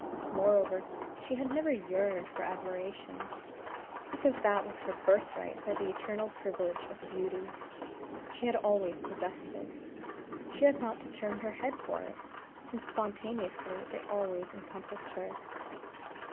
Moreover, she had never yearned for admiration; because that was her birthright by the eternal privilege of beauty; she had always possessed it; she had not to turn her head for it, since spontaneously it always encompassed her.